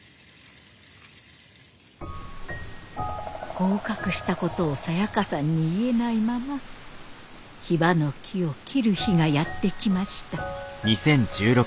合格したことをサヤカさんに言えないままヒバの木を切る日がやって来ました。